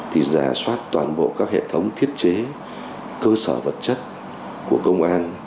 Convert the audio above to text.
thì giả soát toàn bộ các hệ thống thiết chế cơ sở vật chất của công an